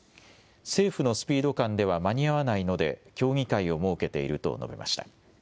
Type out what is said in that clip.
政府のスピード感では間に合わないので協議会を設けていると述べました。